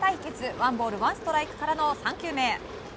ワンボールワンストライクからの３球目。